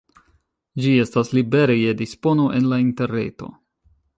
Ĝi estas libere je dispono en la interreto.